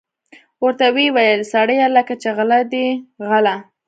ورته ویې ویل: سړیه لکه چې غله دي غله.